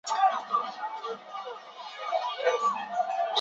布尼欧人口变化图示